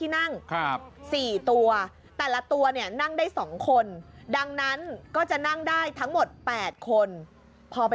พอไปตรวจสอบ